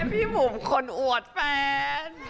พี่บุ๋มคนอวดแฟน